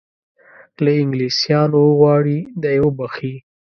له انګلیسیانو وغواړي دی وبخښي.